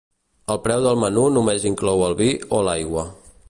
El preu del menú només inclou el vi o l'aigua.